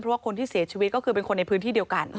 เพราะว่าคนที่เสียชีวิตก็คือเป็นคนในพื้นที่เดียวกัน